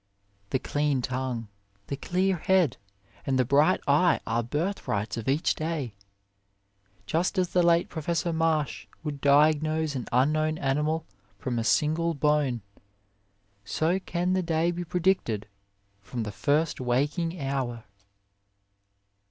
The clean tongue, the clear head, and the bright eye are birth rights of each day. Just as the late Professor Marsh 38 OF LIFE would diagnose an unknown animal from a single bone, so can the day be predicted from the first waking hour.